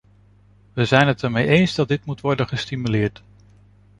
We zijn het ermee eens dat dit moet worden gestimuleerd.